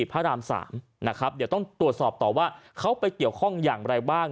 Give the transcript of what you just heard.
พระราม๓นะครับเดี๋ยวต้องตรวจสอบต่อว่าเขาไปเกี่ยวข้องอย่างไรบ้าง